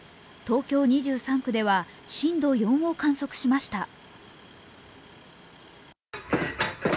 東京２３区では震度４を観測しました。